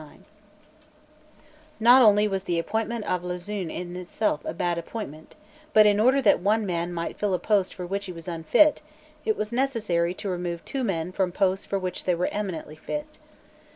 Not only was the appointment of Lauzun in itself a bad appointment: but, in order that one man might fill a post for which he was unfit, it was necessary to remove two men from posts for which they were eminently fit.